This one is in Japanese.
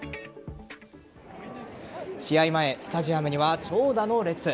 試合前、スタジアムには長蛇の列。